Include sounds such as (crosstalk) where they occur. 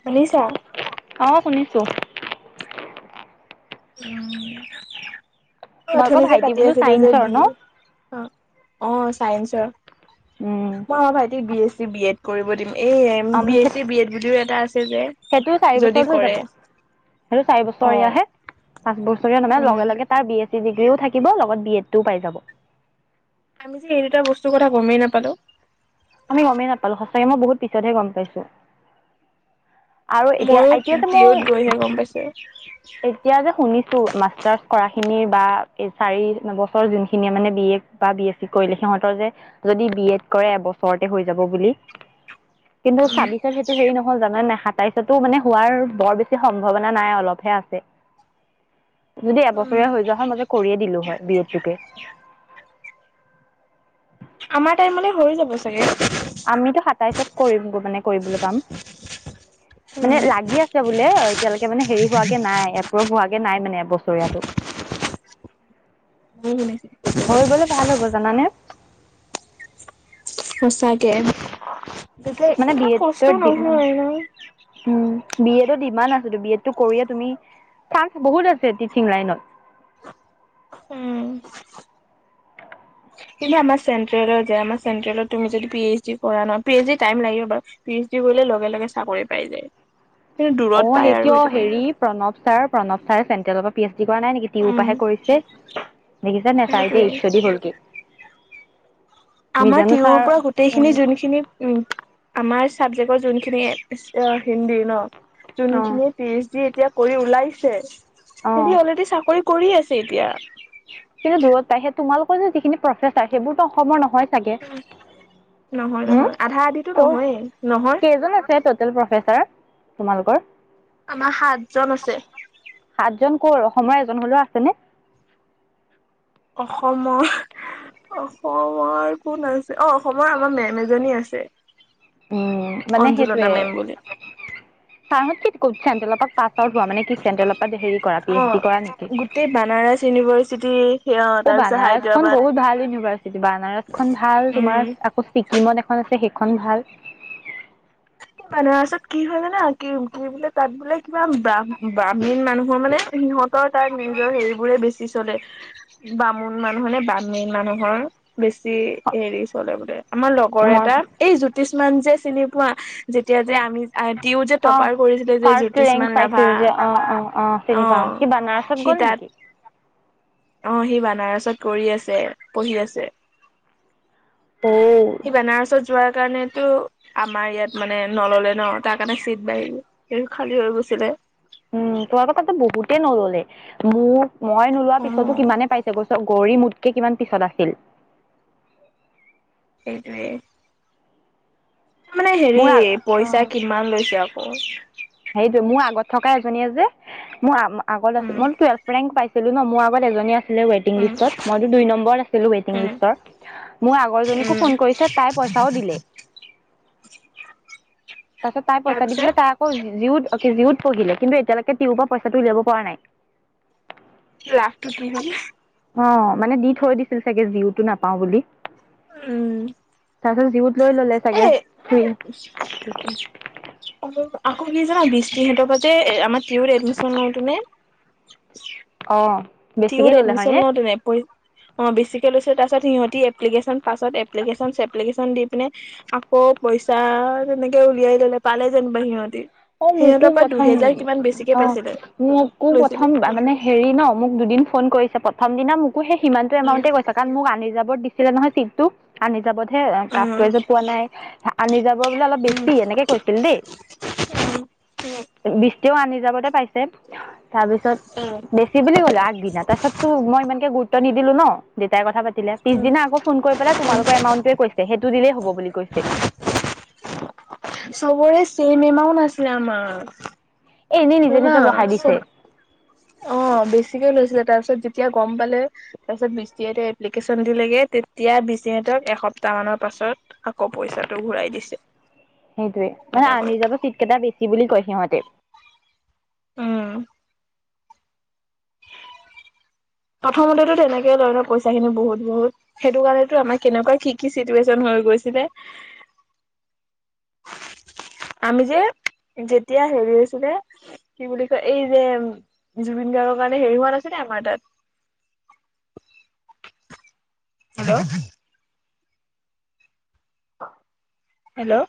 শুনিছা? অ শুনিছো! (inaudible) অ তোমালোকৰ ধুনিকে ভাইটি কাটতি বোলো আছিলো যে চাইন্সৰ ন বিল অ' অ' চায়েন্সৰ? মই আমাৰ ভাইটি B S C B Ed কৰিব দিম। এই আম B S C B Ed বুলিও এটা আছে। যে। সেইটো চাৰি যদি বছৰ হৈ কৰে যাব সেইটো চাৰি অ' বছৰয়াহে পাঁচ বছৰেীয়া নহয় উম, লগে লগে তাৰ বি এছ ডিগ্ৰীও থাকিব লগত বি এডটোও পাই যাব। আমি যে এই দুটা বস্তুৰ কথা গমেই নাপালো। আমি গমেই নাপালো সঁচাকে মই বহুত পিছতহে গম পাইছো। আৰু এতিয়া মইো এতিয়া যে মই টিউত গৈহে গম পাইছো এতিয়া যে শুনিছো মাষ্টাৰ্চ কৰা বা চাৰি বছৰ যোনখিনিয়ে মানে বি এ বা বি এছ চি কৰিলে সিহঁতৰ যে যদি বি এড কৰে এবছৰতে হৈ যাব বুলি। কিন্তু চাবিচত সেইটো হেৰি নহয় জান নে তাৰপিছতো মানে হোৱাৰ বৰ বেছি সম্ভাৱনা নাই অলপহে আছে (inaudible) যদি উম, এবছৰীয়া হৈ যোৱা হয় মতে কৰিয়ে দিলো হয় বি এড টোকে! আমাৰ টাইমলৈ হৈ যাব চাগে? আমিতো সাতাইশত কৰিম মানে কৰিবলৈ পাম মানে উম, লাগি আছে বোলে এতিয়ালৈকে মানে হেৰি হোৱাকে নাই এপ্ৰভ হোৱাকে নাই মানে বছৰীয়াাতটো ন ন হৈ গলে ভাল হ'ব জানানে সঁচাকে তেতিয়া মানে ইমান বিয় কষ্ট দি মানে নহয় ন? উ বিয় ডিড আছ বি এডটো কৰিয়ে তুমি চান্স বহুত আছে টিচিং লাইনত উম কিন্তু আমাৰ চেন্ট্ৰেলত য আমাৰ চেন্টেলত তুমি যদি পি এইচ ডি কৰা ন পি এইচ ডি লি এইচ যায় কিন্তু অ দূৰত পায় সেই আৰু কিয় সেইটো হেৰি মাইণ্ডত প্ৰণৱ ছাৰ প্ৰণৱ ছাৰ চেণ্ট্ৰেলৰ পৰা পি আছ কৰা নাই নেকি তি উম পাহে কৰিছে দেখিছা নে চাৰতিয়া সেইটোৱে ইচ্ছ দি হল কি আমাৰ তিৰৰ পৰা গোটেইখিনি যোনখিনি উম আমাৰ ছাবজেক্টৰ যোনখিনি হিন্দী ন যোনখিনি পিচ ড এতিয়া কৰি ওলাইছে অ অ যদি অলৰেডি চাকৰি কৰি আছে এতিয়া কিন্তু দূৰত পাইে তোমালোকৰ যে যিখিনি প্ৰফেচাৰ সেইবোৰতো অসমৰ নহয় চাগে নহয় হম নহয় আধা আদিতো কৰ নহয়ে নহয় কেইজন আছে প্ৰফেচাৰ তোমালোকৰ আমাৰ সাতজন আছে ক' অসমৰ এজন হলেও আছেনে অসমৰ অসমৰ কোন আছে অ অসমৰ আমাৰ মেম এজনী আছে উম মানে সেইটোৱে অঞ্জুলতা মেম বুলি ানলপ প োৱা মানে কি চেণ্ট্ৰেলৰ পৰা হেৰি কৰা পি অ এইচ ডি কৰা নেকি যদি অ বানাৰসখন বহুত ভাল ইউনিভাৰ্চিটি বানাৰসখন ভাল উম তোমাৰ আকৌ ছিকিমত এখন আছে সেইখন ভাল মান পািছত কি হয় জানা কি কি বোলে তাত বোলে কিবা বাহ ব্ৰাহ্মীণ মানুহৰ মানে সিহঁত তাত নিজৰ হেৰিবোৰে বেছি আচতে বামুণ মানুহৰ নে বামী মানুহৰ বেছি হেৰি চলে বোলে আমাৰ লগৰ মই এটা এই জুত কিছুমান যে চিনি কোৱা যেতিয়া যে আমি, তিও যে অ তপাৰ কৰিছিলে যে ফাৰ্ষ্ট ৰেংক জ্যোতিসমান ৰাভা, পাইছিল যে অ অ অ চিনি পাও অ', সি বানাৰসত সি গ'ল তাত নেকি অ', সি বানাৰসত কৰি আছে, পঢ়ি আছে। ত সি বেনাৰছত যোৱাৰ কাৰণেতো আমাৰ ইয়াত মানে নললে ন। তাৰ কাৰণে চিট বাঢ়িল, সেই খালী হৈ গৈছিলে। উম, তো কথাটো বহুতেই নললে মোক মই নোলোৱা অ পিছতো কিমানে পাইছে, গৈছ গৌৰী মোতকে কিমান পিছত আছিল। সেইটোৱে। মানে হেৰি মোৰ পইচা কিমান লৈছে আৰু। অ। এইটো, মোৰ আগত থকা এজনীয়ে যে, মোৰ আগত উম আছিল, মই (inaudible) ৰেংক পাই আছিলো ন মোৰ আত এজনী আছে ৱেটিং উম লিষ্টত, মইতো দুই নম্বৰত আছিলো ৱেইটিং উম লিষ্টৰ, মোৰ আগৰজনীকো উম ফোন কৰিছে তাই পইচাও দিলে। তাৰপাছত পইচা দি তাৰপিছত আকৈ উজি জিউত, অ, কি জিউত পঢ়িলে। কিন্তু এতিয়ালৈকে তিও পৰা পইচাটো উলিয়াব পৰা নাই। লাভটো কি হ'ল। অ, মানে দি থৈ দিছিল চাগে জিওতো নাপাওঁ বুলি। উম। তাৰ পাচত জিউ লৈ ল'লে এ চাগে ফ্ৰী আকৌ কি জানা? বিচ তি হঁতৰ পৰা যে আমাৰ টিউত এডমিশ্যন লওঁতো নে অঁ। জিউত এডমিশ্যন ল তেনে, অ, বেছিকে লৈ তাৰ পাছত সিহঁতি এপ্লিকেশ্যন পাছত, এপ্লিকেশ্যন-চেপ্লিকেশ্যন দি পিনে আকৌ পইচা তেনেকে উলিয়াই ল'লে পালে যেনিবা সিহঁতি। অ, মোকো সিহঁতৰ পৰা প্ৰথম দুহেজাৰ কিমান বেছিকে অ', পাইছিলে মোকো লৈছিলে। প্ৰথম মানে হেৰি ন মোক দুদিন ফোন কৰিছে প্ৰথম দিনা মোক হে সিমানটো এমাউণ্ট কৈছে কাৰণ মোক আনি জাব দি আছিলে নহয় চিটটো আনি যাব হে কাটোৱে যে পোৱা নাই, আনি যাব বোলে অলপ বেছি এনেকে কৈছিল দেই। বিছিও আনি যাবতে পাইছে টেত তাৰপিছত বেছি বুলি কলে আগদিনা তাৰপিছততো মই ইমানকে গুৰুত্ব নি দিলো ন দেতাই কথা পাতি ছিলে। পিচদিনা আকৌ ফোন কৰি পেলাই তোমোলোকৰ এমাউন্টোৱে কৈছে। তে হেটো দিলেই হ'ব বুলি কৈছে। চবৰে চেম এমাউন্ট আাছিলে আমাৰ। এ এনেই নিজে শুনা নিজে বঢ়াই দিছে। চব অ' বেছিকে লৈছিলে। তাপিছত যেতিয়া গম পালে তাপিছত বিস্ত্ৰী এটাই এপ্লিকেচন দিলেগে, তেতিয়া বিচিনেতক এসপ্তাহমান পাছত আকৌ পইচাটো ঘূৰাই দিছে। হেইটোৱে। মানে এনেকা কৰে আনিজাৱ চিট কেটা বেছি বুলি কয় সিহঁতে। উম। প্ৰথমতেতো তেনেকেই ধৰি ল পইচা খিনি বহুত বহুত সেইটো কাৰণেতো আমাৰ কেনেকুৱা কি কি চিটুৱেশচন হৈ গৈছিলে। আমি যে, যেতিয়া হেৰি আছিলে কি বুলি কয় এই যে, জুবিন গাৰ্গৰ কাৰণে হেৰি হোৱা নাছিলে আমাৰ তাত। হেল্ল'। হেল্ল'।